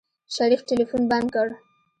شريف ټلفون بند کړ.